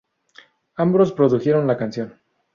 Ambos produjeron la canción.